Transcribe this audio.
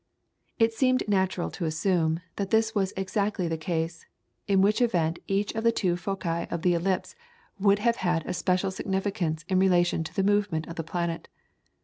It seemed natural to assume, that this was exactly the case, in which event each of the two foci of the ellipse would have had a special significance in relation to the movement of the planet.